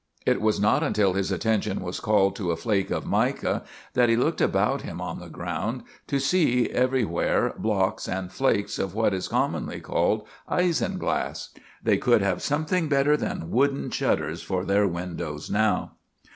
It was not until his attention was called to a flake of mica that he looked about him on the ground, to see every where blocks and flakes of what is commonly called isinglass. They could have something better than wooden shutters for their windows now.